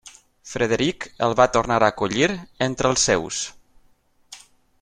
Frederic el va tornar a acollir entre els seus.